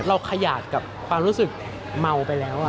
ขยาดกับความรู้สึกเมาไปแล้ว